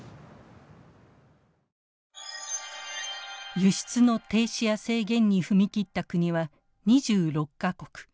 輸出の停止や制限に踏み切った国は２６か国。